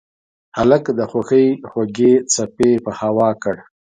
هلک د خوښۍ خوږې څپې په هوا کړ.